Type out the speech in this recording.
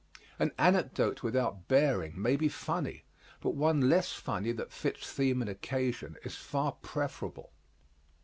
An anecdote without bearing may be funny but one less funny that fits theme and occasion is far preferable.